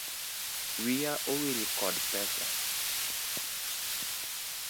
Wiya owil kod pesa.